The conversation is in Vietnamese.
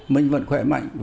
mình vẫn khỏe mạnh